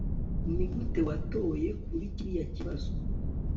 nigute watoye kuri kiriya kibazo